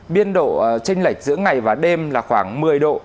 biên độ tranh lệch giữa ngày và đêm là khoảng một mươi độ